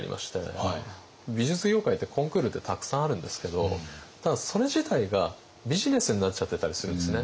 美術業界ってコンクールってたくさんあるんですけどただそれ自体がビジネスになっちゃってたりするんですね。